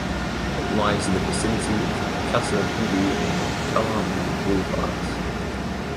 It lies in the vicinity of the Kasa-Vubu and Kalamu boulevards.